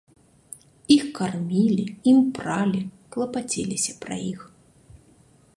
Іх кармілі, ім пралі, клапаціліся пра іх.